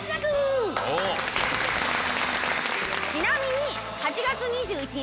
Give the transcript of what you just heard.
ちなみに。